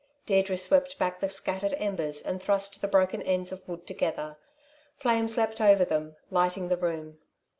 Deirdre swept back the scattered embers and thrust the broken ends of wood together. Flames leapt over them, lighting the room.